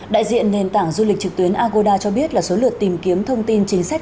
đại diện nền tảng du lịch trực tuyến agoda cho biết là số lượt tìm kiếm thông tin chính sách